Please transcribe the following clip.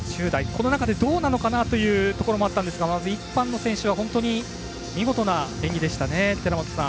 この中で、どうなのかなというところもあるんですがまず１班の選手は本当に見事な演技でしたね。